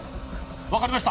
分かりました。